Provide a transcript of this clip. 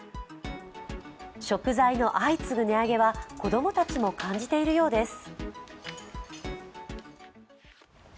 食材の相次ぐ値上げは、子供たちも感じているようです。